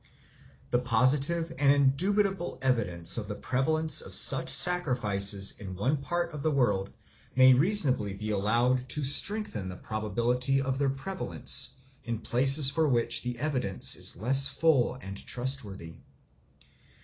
The positive and indubitable evidence of the prevalence of such sacrifices in one part of the world may reasonably be allowed to strengthen the probability of their prevalence in places for which the evidence is less full and trustworthy.